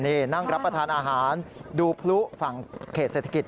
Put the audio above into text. นี่นั่งรับประทานอาหารดูพลุฝั่งเขตเศรษฐกิจ